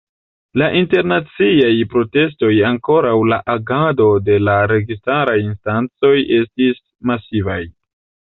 La internaciaj protestoj kontraŭ la agado de la registaraj instancoj estis masivaj.